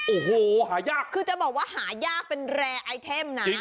โอ้โหหายากคือจะบอกว่าหายากเป็นแรร์ไอเทมนะ